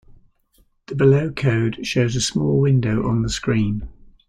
The below code shows a small window on the screen.